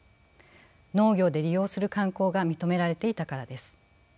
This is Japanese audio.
農業で利用する慣行が認められていたからです。